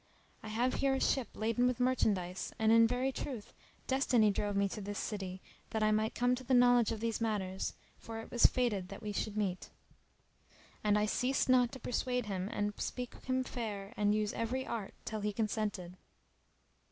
I have here a ship laden with merchandise; and in very truth Destiny drove me to this city that I might come to the knowledge of these matters, for it was fated that we should meet." And I ceased not to persuade him and speak him fair and use every art till he consented.